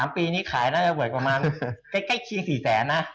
๓ปีนี้ขายเราจะเวิ่นประมาณใกล้ภายในน่ะ